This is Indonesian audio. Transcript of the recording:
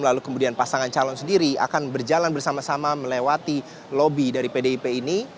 lalu kemudian pasangan calon sendiri akan berjalan bersama sama melewati lobby dari pdip ini